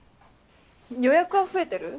予約は増えてる？